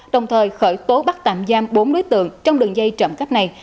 đồng thời khởi tố bắt tạm giam bốn đối tượng trong đường dây trộm cắp này